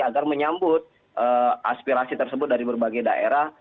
agar menyambut aspirasi tersebut dari berbagai daerah